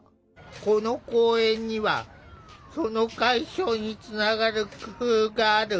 この公園にはその解消につながる工夫がある。